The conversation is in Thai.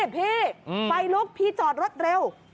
พี่ไฟลุกพี่จอดรถเร็ว